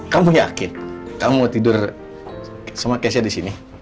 kamu yakin kamu mau tidur sama cashnya di sini